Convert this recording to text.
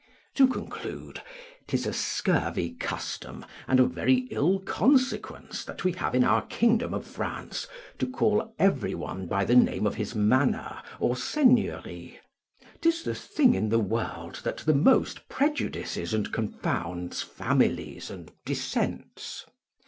To conclude, 'tis a scurvy custom and of very ill consequence that we have in our kingdom of France to call every one by the name of his manor or seigneury; 'tis the thing in the world that the most prejudices and confounds families and descents.